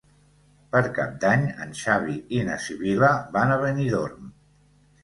Per Cap d'Any en Xavi i na Sibil·la van a Benidorm.